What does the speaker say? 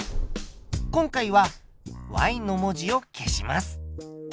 今回はの文字を消します。